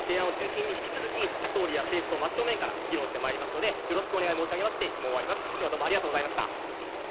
本日の提案を中心に、引き続き総理や政府と真っ正面から議論してまいりますので、よろしくお願い申し上げまして、質問終わります。